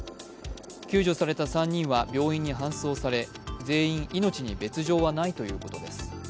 救助された３人は病院に搬送され、全員命に別状はないということです。